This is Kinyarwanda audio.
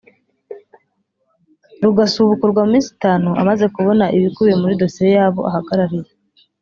rugasubukurwa mu minsi itanu amaze kubona ibikubiye muri dosiye y’abo ahagarariye